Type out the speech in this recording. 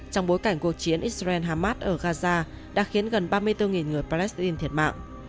trong bối cảnh cuộc chiến israel hamas ở gaza đã khiến gần ba mươi bốn người palestine thiệt mạng